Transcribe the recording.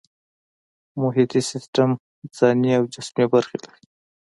محیطي سیستم ځانی او جسمي برخې لري